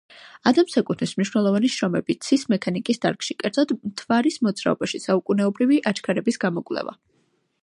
ადამს ეკუთვნის მნიშვნელოვანი შრომები ცის მექანიკის დარგში, კერძოდ მთვარის მოძრაობაში საუკუნეობრივი აჩქარების გამოკვლევა.